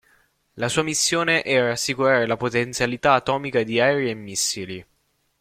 La sua missione era assicurare la potenzialità atomica di aerei e missili.